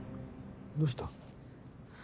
どうした？